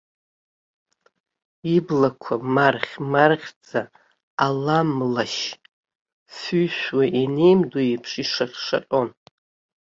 Иблақәа марӷь-марӷьӡа, аламлашь фҩышәо ианеимдо еиԥш, ишаҟь-шаҟьон.